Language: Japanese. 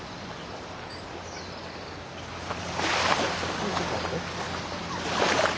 はいちょっと待って。